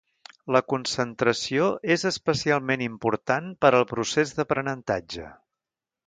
La concentració és especialment important per al procés d'aprenentatge.